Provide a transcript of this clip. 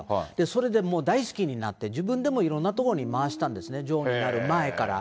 それでもう、大好きになって、自分でもいろんなところで回したんですね、女王になる前から。